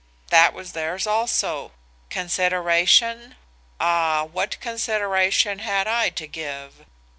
that was theirs also. Consideration? ah, what consideration had I to give?